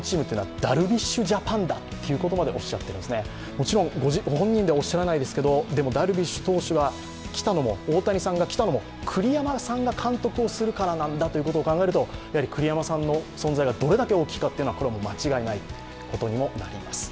もちろんご本人ではおっしゃらないですけれどもでもダルビッシュ投手が来たのも大谷さんが来たのも栗山さんが監督をするからなんだということを考えるとやはり栗山さんの存在がどれだけ大きいかは間違いないことになります。